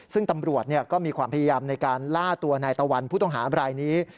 ซึ่งตำรวจก็มีความพยายามในการล่าตัวนายตะวันผู้ต้องหาบรายนี้